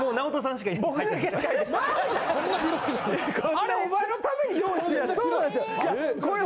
あれお前のために用意してんの？